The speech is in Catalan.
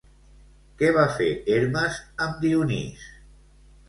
Què va fer Hermes amb Dionís?